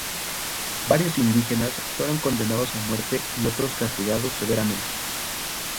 Varios indígenas fueron condenados a muerte y otros castigados severamente.